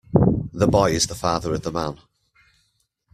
The boy is the father of the man.